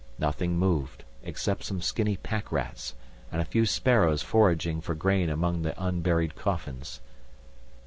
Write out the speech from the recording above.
Nothing moved except some skinny packrats and a few sparrows foraging for grain among the unburied coffins.